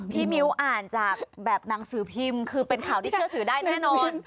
มิ้วอ่านจากแบบหนังสือพิมพ์คือเป็นข่าวที่เชื่อถือได้แน่นอน